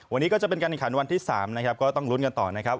วันนี้ก็จะเป็นการแข่งขันวันที่๓นะครับก็ต้องลุ้นกันต่อนะครับ